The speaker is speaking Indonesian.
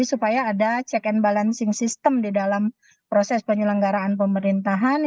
supaya ada check and balanceng system di dalam proses penyelenggaraan pemerintahan